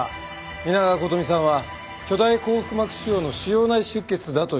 皆川琴美さんは巨大後腹膜腫瘍の腫瘍内出血だという事が判明しました。